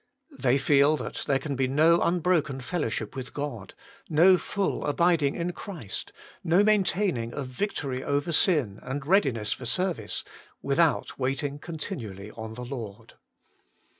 They feel that there can be no unbroken fellowship with God, no full abiding in Christ, no maintaining of victory over sin and readiness for service, without waiting continually on the Lord.